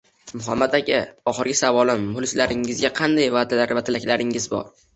– Muhammad aka, oxirgi savolim – muxlislaringizga qanday va’dalar va tilaklaringiz bor?